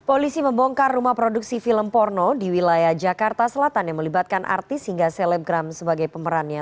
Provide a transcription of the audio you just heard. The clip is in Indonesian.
polisi membongkar rumah produksi film porno di wilayah jakarta selatan yang melibatkan artis hingga selebgram sebagai pemerannya